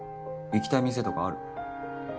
行きたい店とかある？